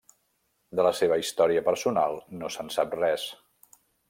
De la seva història personal no se'n sap res.